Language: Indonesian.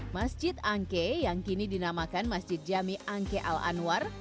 masjid angke yang kini dinamakan masjid jami angke al anwar